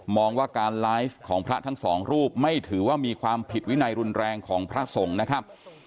ว่าการไลฟ์ของพระทั้งสองรูปไม่ถือว่ามีความผิดวินัยรุนแรงของพระสงฆ์นะครับ